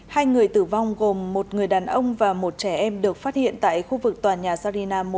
hai người tử vong gồm một người đàn ông và một trẻ em được phát hiện tại khu vực tòa nhà sarina một